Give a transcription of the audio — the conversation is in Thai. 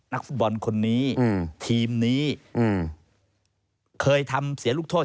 นักฟุตบอลคนนี้อืมทีมนี้อืมเคยทำเสียลูกโทษ